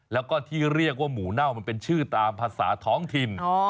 แล้วก็ที่เรียกว่าหมูเน่ามันเป็นชื่อตามภาษาท้องถิ่น